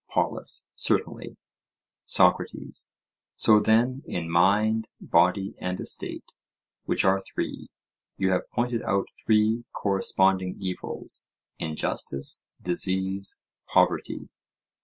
POLUS: Certainly. SOCRATES: So then, in mind, body, and estate, which are three, you have pointed out three corresponding evils—injustice, disease, poverty?